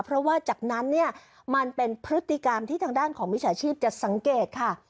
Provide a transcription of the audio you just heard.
เพราะว่าจากนั้นเนี่ยมันเป็นพฤติกรรมที่ทางด้านของมิจฉาชีพจะสังเกตค่ะ